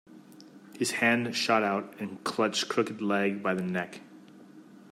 His hand shot out and clutched Crooked-Leg by the neck.